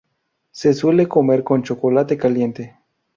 Se suele comer con chocolate caliente.